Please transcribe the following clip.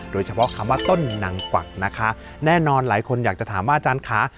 โดยเฉพาะคำว่าต้นนางกวักนะคะแน่นอนหลายคนอยากจะถามว่าอาจารย์ค่ะ